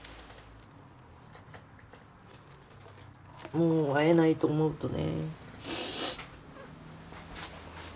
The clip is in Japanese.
もう会えないと思うとね。